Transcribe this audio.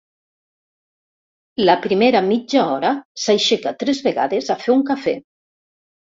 La primera mitja hora s'aixeca tres vegades a fer un cafè.